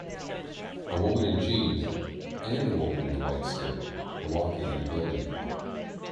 A woman in jeans and a woman in a white skirt are walking in a building.